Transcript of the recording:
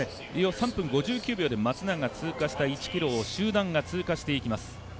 ３分５９秒で松永通過した１ｋｍを集団が通過していきます。